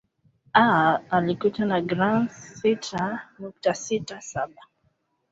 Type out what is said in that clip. aa alikutwa na grams sita nukta sita saba